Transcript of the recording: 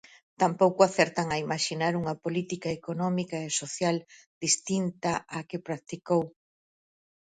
Tampouco acertan a imaxinar unha política económica e social distinta á que practicou.